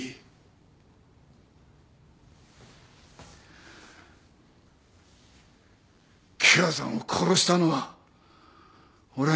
喜和さんを殺したのは俺なんだから。